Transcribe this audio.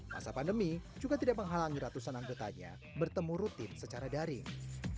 masa pandemi juga tidak menghalangi ratusan anggotanya bertemu rutin secara daring